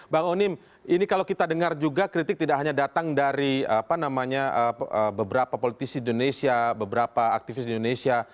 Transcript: bang onim ini kalau kita dengar juga kritik tidak hanya datang dari beberapa politisi indonesia beberapa aktivis di indonesia